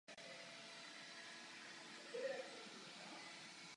Mohla by prosím Komise v budoucnosti jednat poněkud rychleji?